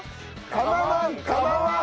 構わん構わん！